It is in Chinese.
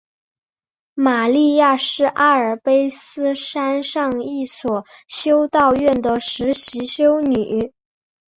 玛莉亚是阿尔卑斯山上一所修道院的实习修女。